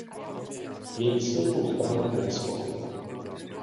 Její silnou zbraní byly skoky.